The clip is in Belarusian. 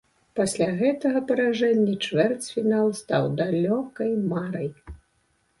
Пасля гэтага паражэння чвэрцьфінал стаў далёкай марай.